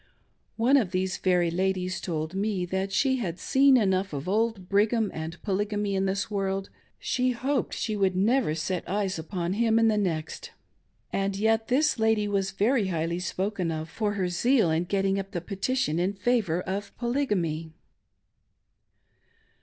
One of these very ladies told me that she had "seen enough of old Brigham and Polygamy in this world, she hoped she would never set eyes on him in the next." And yet this lady was very highly spoken of for her zeal in getting up the petition in favor of Polygamy.